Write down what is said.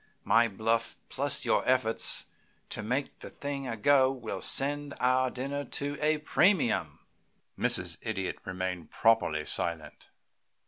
My bluff plus your efforts to make the thing a go will send our dinner to a premium." Mrs. Idiot remained properly silent.